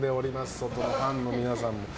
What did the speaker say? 外のファンの皆さんも。